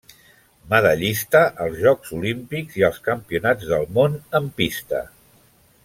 Medallista als Jocs Olímpics i als Campionats del món en pista.